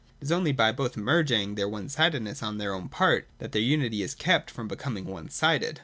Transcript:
It is only by both merging their one sidedness on their own part, that their unity is kept from becoming one sided.